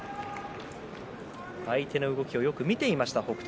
相手の動きをよく見ていました北勝